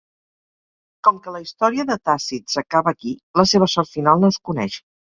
Com que la història de Tàcit s'acaba aquí la seva sort final no es coneix.